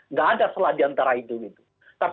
nggak ada salah di antara itu